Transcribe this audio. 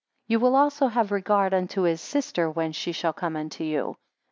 19 Ye will also have regard unto his sister when she shall come unto you.